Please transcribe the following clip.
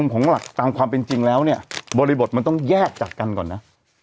ของหลักตามความเป็นจริงแล้วเนี่ยบริบทมันต้องแยกจากกันก่อนนะ